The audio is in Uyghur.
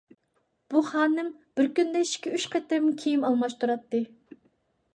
بۇ خانىم بىر كۈندە ئىككى-ئۈچ قېتىم كىيىم ئالماشتۇراتتى.